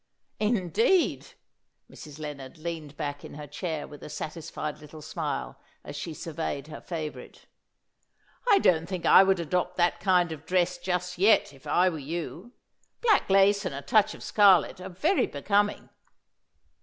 "Indeed" Mrs. Lennard leaned back in her chair with a satisfied little smile as she surveyed her favourite "I don't think I would adopt that kind of dress just yet, if I were you. Black lace and a touch of scarlet are very becoming."